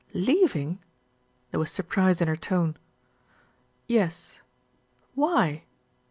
"Leaving!" There was surprise in her tone. "Yes." "Why?"